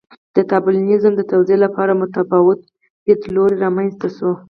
د طالبانیزم د توضیح لپاره متفاوت لیدلوري رامنځته شوي.